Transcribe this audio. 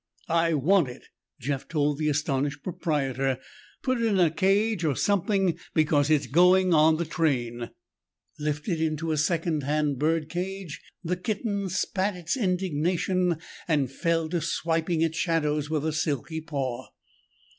"I want it!" Jeff told the astonished proprietor. "Put it in a cage or something because it's going on the train!" Lifted into a second hand bird cage, the kitten spat its indignation and fell to swiping at shadows with a silky paw.